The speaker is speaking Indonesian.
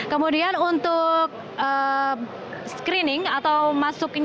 kemudian untuk screening atau masuk ke jalan